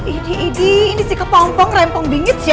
idi idi ini sih kepompong rempong bingit ya